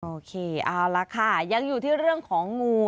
โอเคเอาละค่ะยังอยู่ที่เรื่องของงู